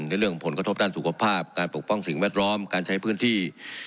ในเรื่องผลกระทบด้านสุขภาพการปกป้องสิ่งแวดล้อมการใช้พื้นที่